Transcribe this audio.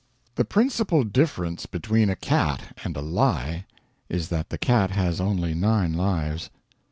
The principal difference between a cat and a lie is that the cat has only nine lives.